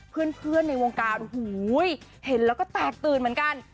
เพื่อนในวงการโอ้โหเห็นแล้วก็แตกตื่นเหมือนกัน